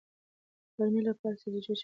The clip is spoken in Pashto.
د غرمې لپاره سبزيجات شامل وو.